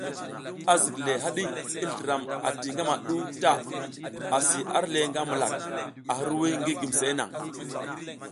Azikle haɗi, i zliram ati ngamaɗu ta, asi arle nga milak, a hirwuy ngi gumseʼe nang.